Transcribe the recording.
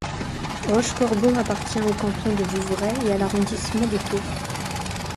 Rochecorbon appartient au canton de Vouvray et à l'arrondissement de Tours.